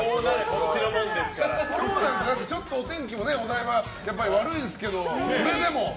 今日なんて、ちょっとお天気お台場、やっぱり悪いですけどそれでも。